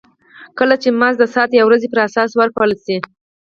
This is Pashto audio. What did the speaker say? کله چې مزد د ساعت یا ورځې پر اساس ورکړل شي